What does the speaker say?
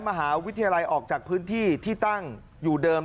มหาวิทยาลัยออกจากพื้นที่ที่ตั้งอยู่เดิม